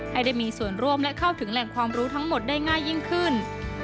ให้ได้มีส่วนร่วมและเข้าถึงแหล่งความรู้ทั้งหมดได้ง่ายยิ่งขึ้น